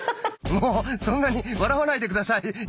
もうそんなに笑わないで下さいよ！